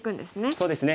そうですね。